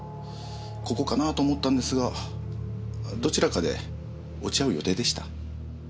ここかなと思ったんですがどちらかで落ち合う予定でした？